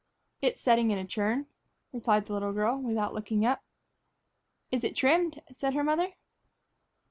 "It's setting in a churn," replied the little girl, without looking up. "Is it trimmed?" said her mother.